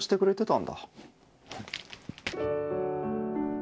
ん！